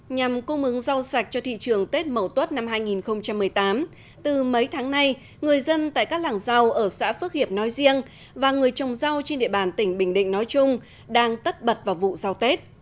nhằm cung ứng rau sạch cho thị trường tết mậu tuất năm hai nghìn một mươi tám từ mấy tháng nay người dân tại các làng rau ở xã phước hiệp nói riêng và người trồng rau trên địa bàn tỉnh bình định nói chung đang tất bật vào vụ rau tết